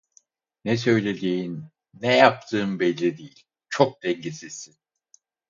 Ne söylediğin, ne yaptığın belli değil, çok dengesizsin.